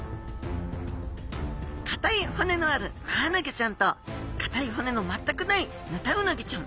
かたい骨のあるマアナゴちゃんとかたい骨の全くないヌタウナギちゃん。